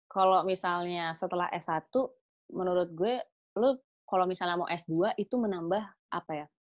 kalau misalnya setelah s satu menurut gue lo kalau misalnya mau s dua itu menambah apa ya